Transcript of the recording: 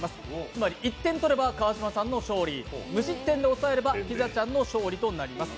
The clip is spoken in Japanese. つまり１点取れば川島さんの勝利無失点で抑えればピザちゃんの勝利となります。